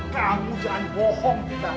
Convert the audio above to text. kamu jangan bohong tika